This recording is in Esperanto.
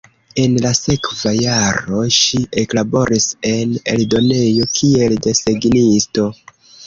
En la sekva jaro ŝi eklaboris en eldonejo, kiel desegnisto.